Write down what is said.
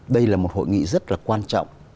đây là một hội nghị rất là quan trọng